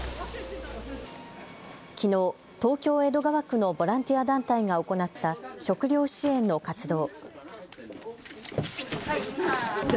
きのう、東京江戸川区のボランティア団体が行った食料支援の活動。